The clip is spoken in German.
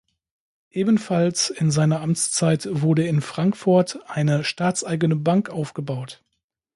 Ebenfalls in seiner Amtszeit wurde in Frankfort eine staatseigene Bank aufgebaut.